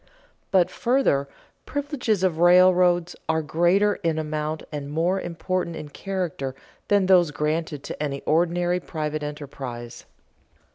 But, further, privileges of railroads are greater in amount and more important in character than those granted to any ordinary private enterprise.